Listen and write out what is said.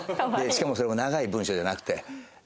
しかもそれも長い文章じゃなくて。